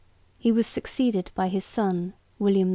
He was succeeded by his son, William III.